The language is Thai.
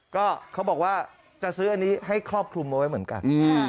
ก็เขาบอกว่าจะซื้ออันนี้ให้ครอบคลุมเอาไว้เหมือนกัน